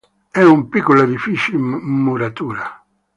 È un piccolo edificio in muratura.